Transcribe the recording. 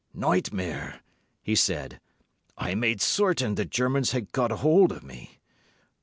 "Nightmare!" he said. "I made certain the Germans had got hold of me.